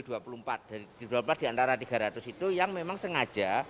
dari dua puluh empat di antara tiga ratus itu yang memang sengaja